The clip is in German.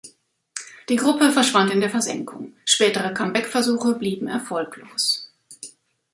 Die Gruppe verschwand in der Versenkung, spätere Comeback-Versuche blieben erfolglos.